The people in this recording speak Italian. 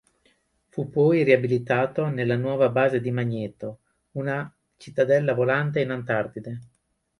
Fu poi riabilitato nella nuova base di Magneto, una cittadella volante in Antartide.